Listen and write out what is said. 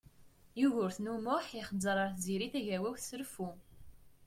Yugurten U Muḥ ixezzeṛ ar Tiziri Tagawawt s reffu.